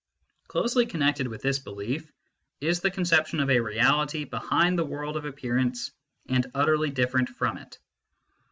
Closely connected with this belief is the conception of a Reality behind the world of appearance and utterly different from it.